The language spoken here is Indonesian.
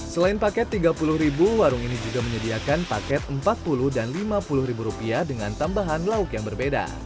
selain paket rp tiga puluh warung ini juga menyediakan paket rp empat puluh dan rp lima puluh dengan tambahan lauk yang berbeda